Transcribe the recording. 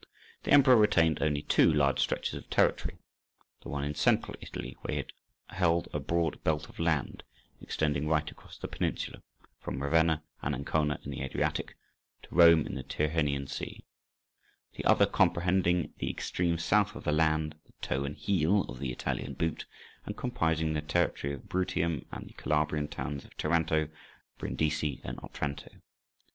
The emperor retained only two large stretches of territory, the one in Central Italy, where he held a broad belt of land, extending right across the peninsula, from Ravenna and Ancona on the Adriatic, to Rome on the Tyrrhenian Sea; the other comprehending the extreme south of the land—the "toe" and "heel" of the Italian boot—and comprising the territory of Bruttium and the Calabrian(15) towns of Taranto, Brindisi, and Otranto.